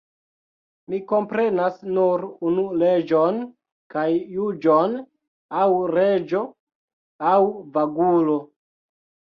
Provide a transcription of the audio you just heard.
Mi komprenas nur unu leĝon kaj juĝon: aŭ reĝo aŭ vagulo!